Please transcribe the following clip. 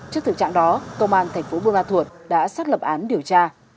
trước thực trạng đó công an thành phố buôn ma thuột đã xác lập án điều tra